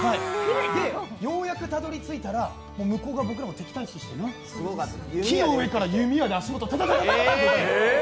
ようやくたどり着いたら、向こうが僕らを敵対視して、木の上から弓矢で足もと、タタタタって。